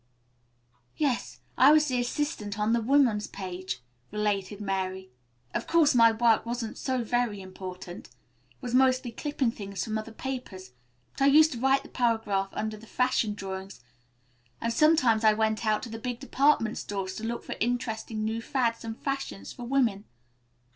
"Yes, I was the assistant on the woman's page," related Mary. "Of course my work wasn't so very important. It was mostly clipping things from other papers, but I used to write the paragraph under the fashion drawings, and sometimes I went out to the big department stores to look for interesting new fads and fashions for women.